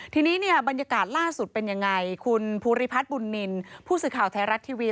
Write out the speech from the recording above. ทีนี้เนี่ยบรรยากาศล่าสุดเป็นยังไงคุณภูริพัฒน์บุญนินผู้สื่อข่าวไทยรัฐทีวี